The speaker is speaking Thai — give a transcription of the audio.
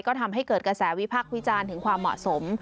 ก็ทำให้เกิดกระแสวิพักษ์วิจารณ์ถึงความเหมาะสม